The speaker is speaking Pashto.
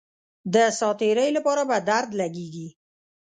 د ساعت تیرۍ لپاره په درد لګېږي.